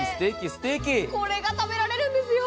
これが食べられるんですよ。